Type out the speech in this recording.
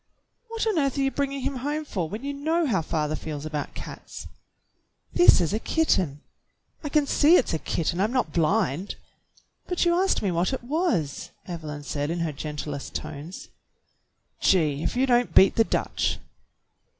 "What on earth are you bringing him home for when you know how father feels about cats?" "This is a kitten." "I can see it's a kitten. I'm not blind." "But you asked me what it was," Evelyn said in her gentlest tones. "Gee! If you don't beat the Dutch